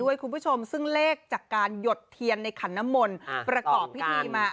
คุณผู้ชมซึ่งเลขจากการหยดเทียนในขันน้ำมนต์ประกอบพิธีมา